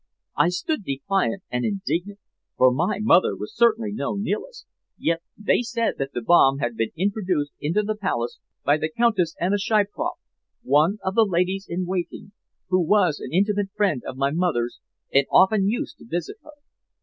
I stood defiant and indignant, for my mother was certainly no Nihilist, yet they said that the bomb had been introduced into the palace by the Countess Anna Shiproff, one of the ladies in waiting, who was an intimate friend of my mother's and often used to visit her.